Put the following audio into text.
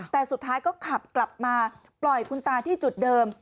แต่สุดท้ายก็ขับกลับมาปล่อยคุณตาที่จุดเดิม